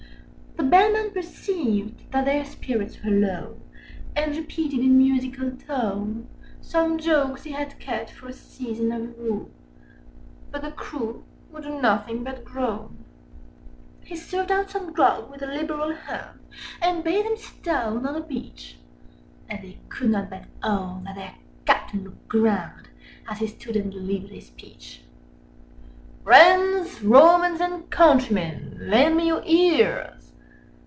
The Bellman perceived that their spirits were low, Â Â Â Â And repeated in musical tone Some jokes he had kept for a season of woe— Â Â Â Â But the crew would do nothing but groan. He served out some grog with a liberal hand, Â Â Â Â And bade them sit down on the beach: And they could not but own that their Captain looked grand, Â Â Â Â As he stood and delivered his speech. "Friends, Romans, and countrymen, lend me your ears!"